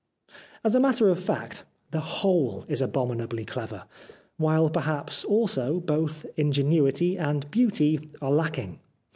As a matter of fact, the whole is abominably clever, while, perhaps, also both ingenuity and beauty are lacking.